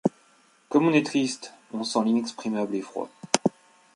Comme on est triste ! on sent l’inexprimable effroi ;